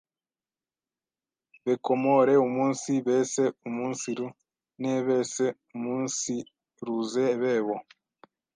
bekomore umunsi beseumunsiru n’ebeseumunsiruze bebo.